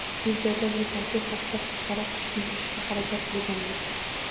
Videoda bu taklif haqda qisqaroq tushuntirishga harakat qilganman.